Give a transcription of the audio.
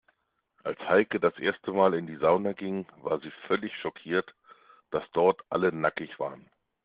Als Heike das erste Mal in die Sauna ging, war sie völlig schockiert, dass dort alle nackig waren.